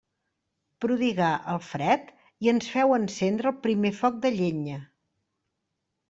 Prodigà el fred i ens féu encendre el primer foc de llenya.